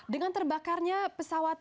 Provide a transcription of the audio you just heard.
dengan terbakarnya pesawat